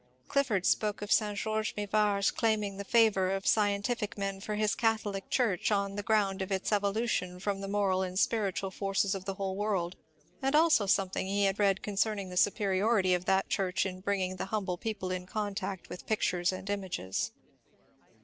Clifford spoke of St. George Mivart's claiming the favour of scientific men for his Catholic Church on the ground of its evolution from the moral and spiritual forces of the whole world ; and also something he had read concerning the superiority of that church in bringing the humble people in contact with pictures and images.